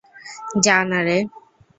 যা না রে।